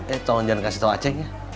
eh tolong jangan kasih tau aceng ya